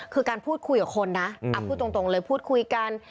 คือการพูดคุยกับคนนะพูดตรงเลยพูดคุยกัน